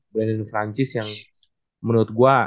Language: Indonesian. brandon francis yang menurut gua